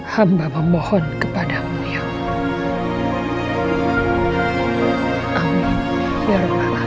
hamba memohon kepadamu ya allah